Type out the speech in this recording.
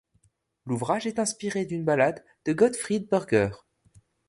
L'ouvrage est inspiré d'une ballade de Gottfried Bürger.